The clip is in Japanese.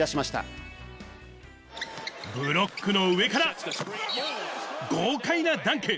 ブロックの上から豪快なダンク。